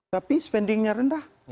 tapi spendingnya rendah